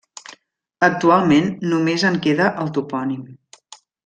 Actualment només en queda el topònim.